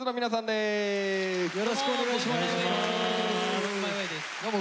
よろしくお願いします。